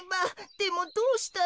でもどうしたら。